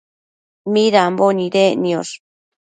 midambo nidec niosh ?